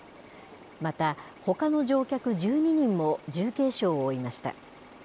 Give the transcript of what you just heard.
また、ほかの乗客１２人も重軽傷を負いました。